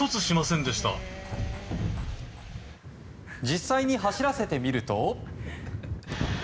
実際に走らせてみると。